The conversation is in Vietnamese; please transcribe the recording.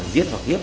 giết hoặc hiếp